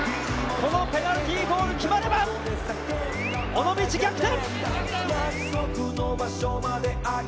このペナルティーゴール決まれば尾道逆転！